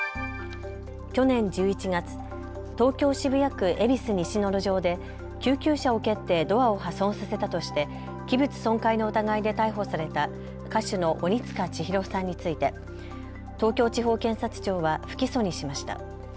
去年１１月、東京渋谷区恵比寿西の路上で救急車を蹴ってドアを破損させたとして器物損壊の疑いで逮捕された歌手の鬼束ちひろさんについて東京地方検察庁は不起訴にしました。